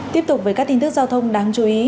tiếp tục với các tin tức giao thông đáng chú ý